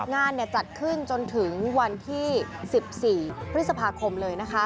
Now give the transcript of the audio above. งานจัดขึ้นจนถึงวันที่๑๔พฤษภาคมเลยนะคะ